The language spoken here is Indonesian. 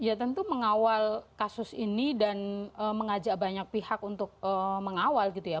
ya tentu mengawal kasus ini dan mengajak banyak pihak untuk mengawal gitu ya